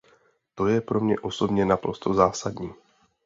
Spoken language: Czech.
To je pro mě osobně naprosto zásadní.